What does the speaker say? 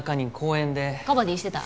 カバディしてた？